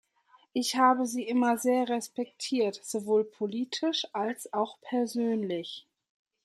Ich habe Sie immer sehr respektiert, sowohl politisch als auch persönlich.